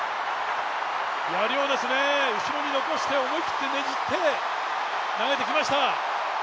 やりを後ろに残して思い切ってねじって投げてきました。